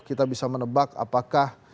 kita bisa menebak apakah